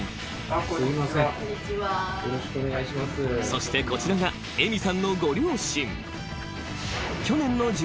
［そしてこちらがエミさんのご両親］